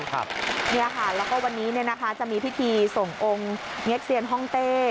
แล้วก็วันนี้จะมีพิธีส่งองค์เงียกเซียนห้องเต้